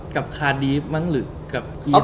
กับคาร์ดีมั้งหรือกับอีตา